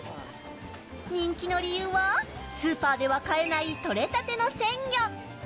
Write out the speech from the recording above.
人気の理由はスーパーでは買えないとれたての鮮魚。